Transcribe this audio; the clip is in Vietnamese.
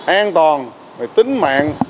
an toàn và tính mạng